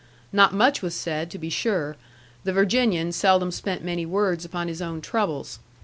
Not much was said, to be sure; the Virginian seldom spent many words upon his own troubles.